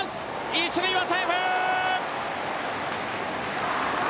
一塁はセーフ。